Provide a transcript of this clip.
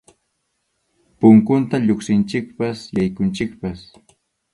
Punkunta lluqsinchikpas yaykunchikpas.